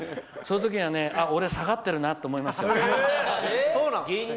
そういうときは俺下がってるなと思いますよ。